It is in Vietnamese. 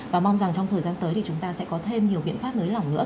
và mong rằng trong thời gian tới thì chúng ta sẽ có thêm nhiều biện pháp nới lỏng nữa